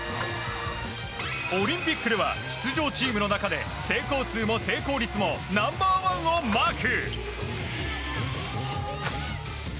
オリンピックでは出場チームの中で成功数も成功率もナンバーワンをマーク。